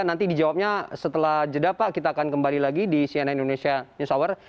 nanti dijawabnya setelah jeda pak kita akan kembali lagi di cnn indonesia news hour